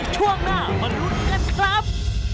ช่วงหน้ามนุษย์กันครับ